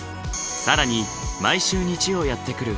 更に毎週日曜やって来る